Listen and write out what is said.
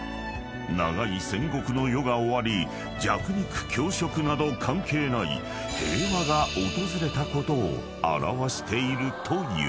［長い戦国の世が終わり弱肉強食など関係ない平和が訪れたことを表しているという］